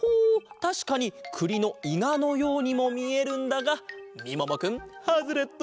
たしかにくりのいがのようにもみえるんだがみももくんハズレット！